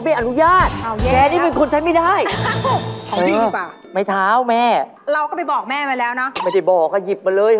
โปรดติดตามต่อไป